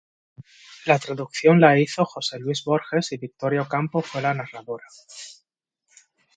La traducción la hizo Jorge Luis Borges y Victoria Ocampo fue la narradora.